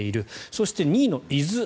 そして２位の伊豆。